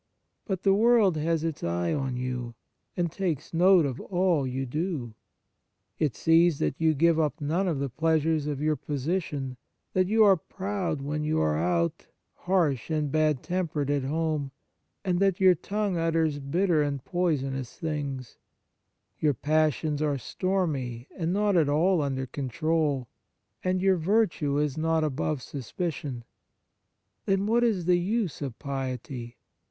But the world has its eye on you, and takes note of all you do. It sees that you give up none of the pleasures of your position, that you are proud when you are out, harsh and bad tempered at home, and that your tongue utters bitter and poisonous things; your passions are stormy and not at all under control, and your virtue is not above sus 103 On Piety picion. Then, what is the use of piety